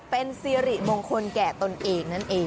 เป็นสิริมงคลแก่ตนเองนั่นเอง